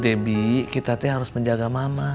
debik kita harus menjaga mama